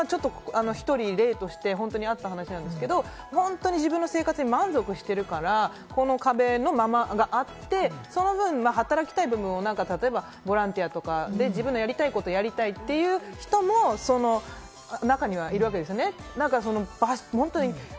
だから逆に一人、例として本当にあった話なんですけれども、自分の生活に満足しているからこの壁があるので、その分、働きたい部分は、例えばボランティアとか、自分のやりたいことをやりたいという人もその中にはいるわけですよね。